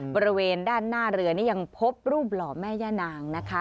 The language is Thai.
บริเวณด้านหน้าเรือนี่ยังพบรูปหล่อแม่ย่านางนะคะ